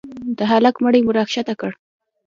د هلك مړى مو راكښته كړ.